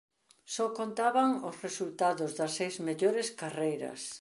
Só contaban os resultados das seis mellores carreiras.